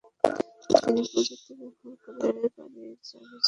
তিনি প্রযুক্তি ব্যবহার করে গাড়ির চাবি ছাড়াই গাড়ি আনলক করে!